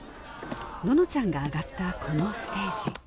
ののちゃんが上がったこのステージ